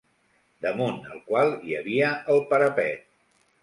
Damunt el qual hi havia el parapet.